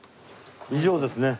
以上ですね。